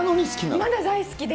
まだ大好きで、